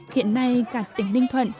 hiện nay cả tỉnh ninh thuận